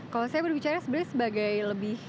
kalau saya berbicara sebenarnya sebagai lebih